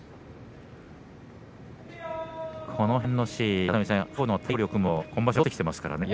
この辺の白鵬の対応力も今場所、戻ってきていますからね。